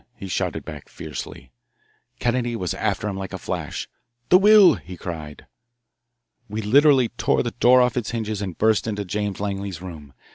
he shouted back fiercely. Kennedy was after him like a flash. "The will!" he cried. We literally tore the door off its hinges and burst into James Langley's room.